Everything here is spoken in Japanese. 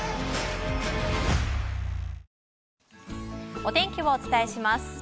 お天気をお伝えします。